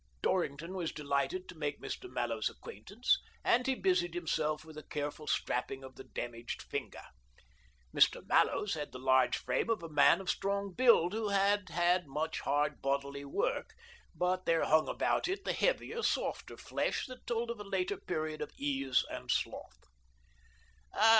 Dorrington was delighted to make Mr. Mallows's acquaintance, and he busied himself with a careful strapping of the damaged finger. Mr. Mallows had the large frame of a man of strong build who has had much hard bodily work, but there hung about it the heavier, softer flesh that told of a later period of ease and sloth.